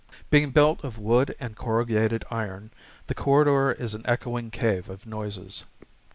Being built of wood and corrugated iron, the corridor is an echoing cave of noises.